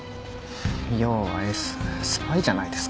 要はエススパイじゃないですか。